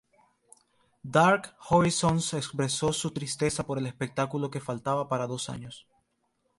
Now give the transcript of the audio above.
Dark Horizons expresó su tristeza por el espectáculo que faltaba para dos años.